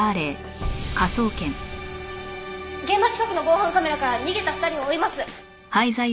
現場近くの防犯カメラから逃げた２人を追います。